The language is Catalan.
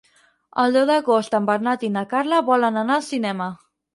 El deu d'agost en Bernat i na Carla volen anar al cinema.